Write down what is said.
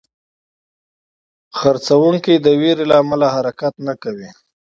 پلورونکی د ویرې له امله حرکت نه کوي.